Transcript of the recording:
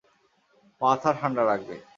মাথা ঠান্ডা রাখবে।